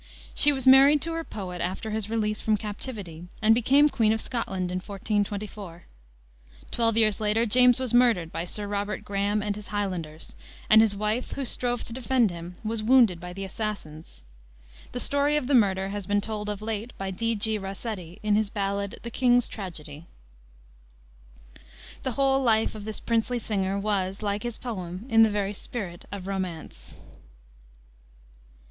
She was married to her poet after his release from captivity and became Queen of Scotland in 1424. Twelve years later James was murdered by Sir Robert Graham and his Highlanders, and his wife, who strove to defend him, was wounded by the assassins. The story of the murder has been told of late by D. G. Rossetti, in his ballad, The King's Tragedy. The whole life of this princely singer was, like his poem, in the very spirit of romance.